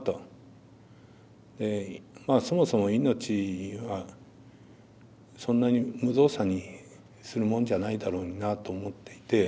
そもそも命はそんなに無造作にするもんじゃないだろうになと思っていて。